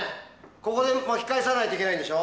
ここで巻き返さないといけないんでしょ。